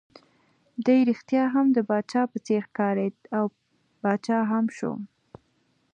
دی ريښتیا هم د پاچا په څېر ښکارېد، او پاچا هم شو.